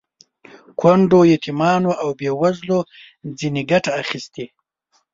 کونډو، یتیمانو او بې وزلو ځنې ګټه اخیستې.